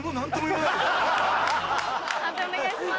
判定お願いします。